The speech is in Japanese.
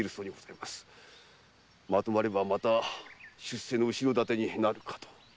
まとまればまた出世の後ろ盾になるかと。